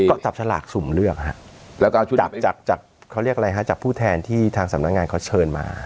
ก็จับฉลากสุ่มเลือกฮะแล้วก็จับจากจากเขาเรียกอะไรฮะจากผู้แทนที่ทางสำนักงานเขาเชิญมา